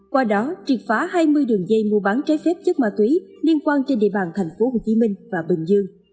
qua đó triệt phá hai mươi đường dây mua bán trái phép chất ma túy liên quan trên địa bàn tp hcm và bình dương